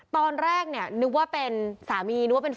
ตอนแรกเนี่ยนึกว่าเป็นสามีนึกว่าเป็นแฟน